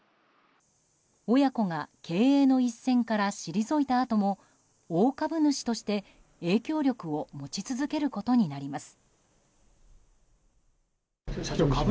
親子が経営の一線から退いたあとも大株主として影響力を持ち続けることになります。